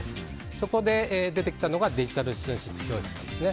そこで出てきたのがデジタル教育なんですね。